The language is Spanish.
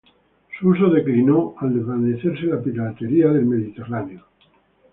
Su uso declinó al desvanecerse la piratería del Mediterráneo.